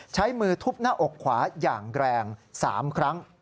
ใช้มือทุบหน้าอกขวาอย่างแรง๓ครั้ง